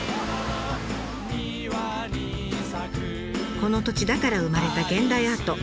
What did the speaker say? この土地だから生まれた現代アート。